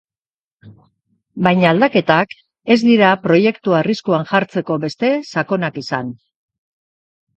Baina aldaketak ez dira proiektua arriskuan jartzeko beste sakonak izan.